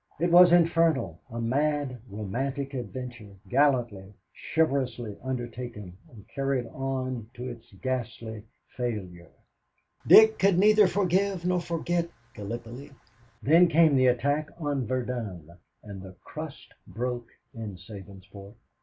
It was infernal; a mad, romantic adventure, gallantly, chivalrously undertaken and carried on to its ghastly failure. Dick could neither forgive nor forget Gallipoli. Then came the attack on Verdun and the crust broke in Sabinsport.